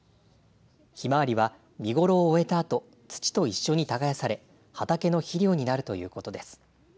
ひまわりは見頃を終えたあと土と一緒に耕され畑の肥料になるということです。